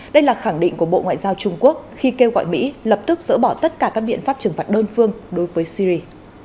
đây là khẳng định của bộ ngoại giao trung quốc khi kêu gọi mỹ lập tức dỡ bỏ tất cả các biện pháp trừng phạt đơn phương đối với syri